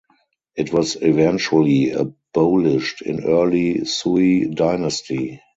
It was eventually abolished in early Sui dynasty.